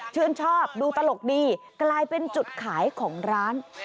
ชื่นชอบดูตลกดีกลายเป็นจุดขายของร้าน